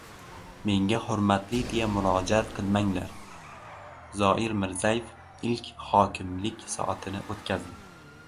“Menga ‘hurmatli’ deya murojaat qilmanglar”. Zoir Mirzayev ilk “hokimlik soati”ni o‘tkazdi